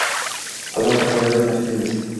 alohida qoidalar mavjud emas.